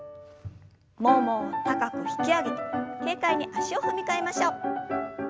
ももを高く引き上げて軽快に足を踏み替えましょう。